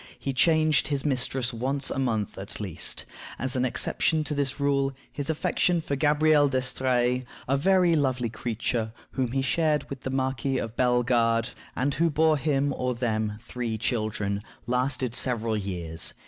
He changed his mistress once a month at least. As an exception to this rule, his affection for Gabrielle d'Estrées, a very lovely creature, whom he shared with the Marquis of Bellegarde, and who bore him, or them, three children, lasted several years.